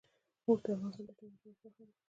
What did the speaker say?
اوښ د افغانستان د اجتماعي جوړښت برخه ده.